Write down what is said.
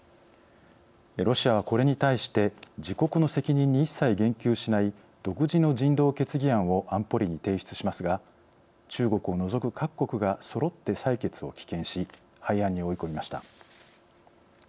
ロシアはこれに対して自国の責任に一切言及しない独自の人道決議案を安保理に提出しますが中国を除く各国がそろって採決を棄権し廃案に追い込みました。